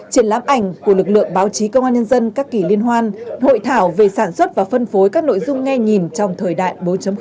triển lãm ảnh của lực lượng báo chí công an nhân dân các kỳ liên hoan hội thảo về sản xuất và phân phối các nội dung nghe nhìn trong thời đại bốn